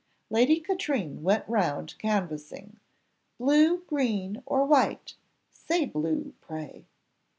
Lady Katrine went round canvassing. "Blue, green, or white? say blue, pray."